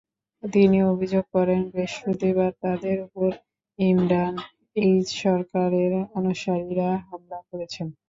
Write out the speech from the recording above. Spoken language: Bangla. তিনি অভিযোগ করেন, বৃহস্পতিবার তাঁদের ওপর ইমরান এইচ সরকারের অনুসারীরা হামলা করেছেন।